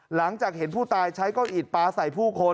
หลังจากเห็นผู้ตายใช้ก้อนอิดปลาใส่ผู้คน